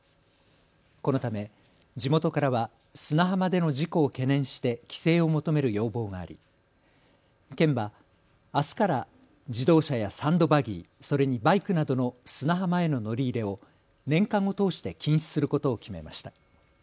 このため地元からは砂浜での事故を懸念して規制を求める要望があり県はあすから自動車やサンドバギー、それにバイクなどの砂浜への乗り入れを年間を通して禁止することを決めました。